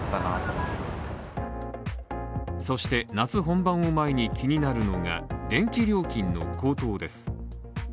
そして、夏本番を前に気になるのが電気料金の高騰です。